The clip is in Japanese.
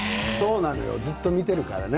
ずっと見てるからね。